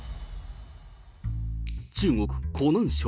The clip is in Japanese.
中国・湖南省。